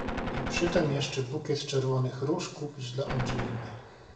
"I przytem jeszcze bukiet czerwonych róż kupić dla Angeliny!"